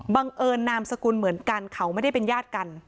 บังเอิญนามสกุลเหมือนกันเขาไม่ได้เป็นญาติกัน